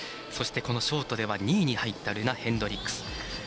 そして、このショートでは２位に入ったルナ・ヘンドリックス。